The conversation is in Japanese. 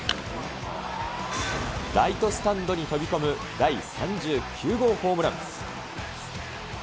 ライトスタンドに飛び込む第３９号ホームラン。